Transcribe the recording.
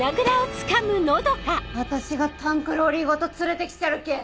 私がタンクローリーごと連れて来ちゃるけぇ。